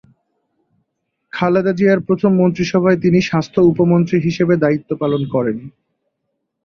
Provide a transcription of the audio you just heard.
খালেদা জিয়ার প্রথম মন্ত্রিসভায় তিনি স্বাস্থ্য উপমন্ত্রী হিসেবে দায়িত্ব পালন করেন।